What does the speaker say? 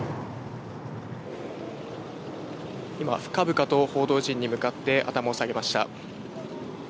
今、深々と報道陣に向かって頭を下げました。